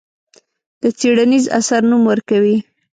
د څېړنیز اثر نوم ورکوي.